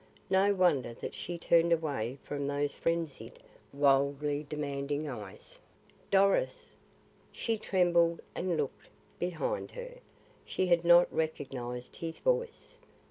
No wonder that she turned away from those frenzied, wildly demanding eyes. "Doris?" She trembled and looked behind her. She had not recognised his voice.